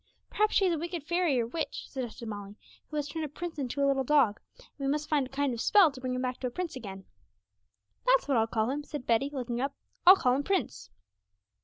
'Perhaps she is a wicked fairy or witch,' suggested Molly, 'who has turned a prince into a little dog, and we must find a kind of spell to bring him back to a prince again.' 'That's what I'll call him,' said Betty, looking up; 'I'll call him Prince.'